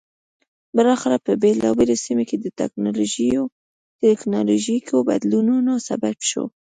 بالاخره په بېلابېلو سیمو کې د ټکنالوژیکي بدلونونو سبب شو.